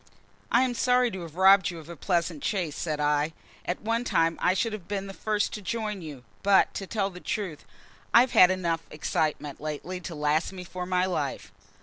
"I am sorry to have robbed you of a pleasant chase," said I. "At one time I should have been the first to join you. But, to tell you the truth, I've had enough excitement lately to last me for my life."